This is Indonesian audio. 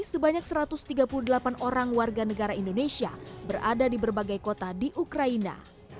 sebanyak satu ratus tiga puluh delapan orang warga negara indonesia berada di berbagai kota di ukraina